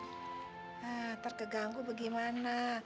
ntar keganggu bagaimana